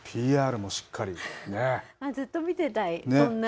ずっと見てたい、そんならん